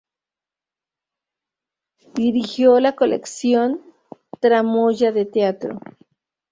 Dirigió la colección "Tramoya de teatro".